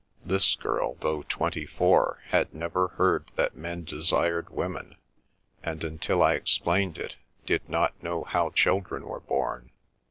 This girl, though twenty four, had never heard that men desired women, and, until I explained it, did not know how children were born.